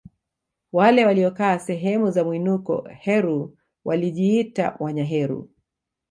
Wale waliokaa sehemu za mwinuko Heru walijiita Wanyaheru